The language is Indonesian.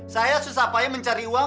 saya susah payah mencari uang